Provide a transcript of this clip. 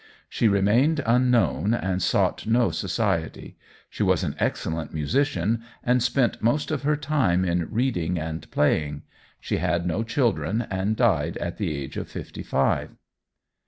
She remained unknown, and sought no society. She was an excellent musician, and spent most of her time in reading and playing. She had no children, and died at the age of fifty five.